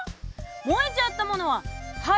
燃えちゃったものは灰。